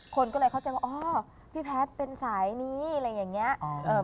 คนก็เลยเข้าใจว่าอ๋อพี่แพทย์เป็นสายนี้อะไรอย่างนี้